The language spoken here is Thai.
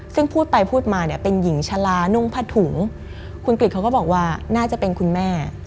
ซึ่งพูดไปพูดมาเนี่ยเป็นหญิงชะลานุ่งผ้าถุงคุณกริจเขาก็บอกว่าน่าจะเป็นคุณแม่